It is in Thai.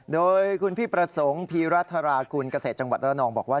โดยคุณพี่ประสงค์พีรัฐรากุลเกษตรจังหวัดระนองบอกว่า